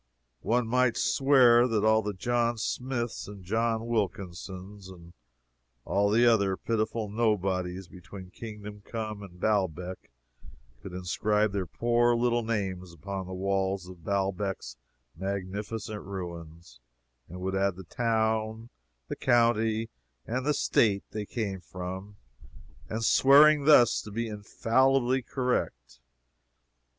One might swear that all the John Smiths and George Wilkinsons, and all the other pitiful nobodies between Kingdom Come and Baalbec would inscribe their poor little names upon the walls of Baalbec's magnificent ruins, and would add the town, the county and the State they came from and swearing thus, be infallibly correct.